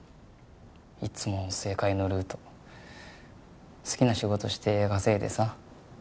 いつも正解のルート好きな仕事して稼いでさ